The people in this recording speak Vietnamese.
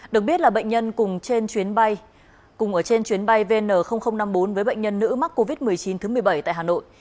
được biết là bệnh nhân cùng trên chuyến bay vn năm mươi bốn với bệnh nhân nữ mắc covid một mươi chín thứ một mươi bảy tại hà nội